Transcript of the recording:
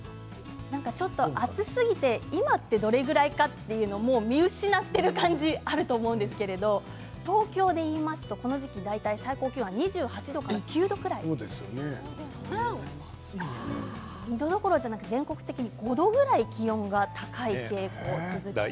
なんかちょっと暑すぎて今、どれくらいかというのを見失っている感じがあるかと思うんですけれど東京で言いますとこの時期、大体最高気温は２８度から２９度くらい２度どころではなく、全国的に５度くらい気温が高い傾向が続きそうです。